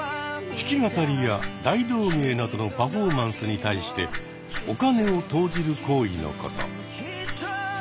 弾き語りや大道芸などのパフォーマンスに対してお金を投じる行為のこと。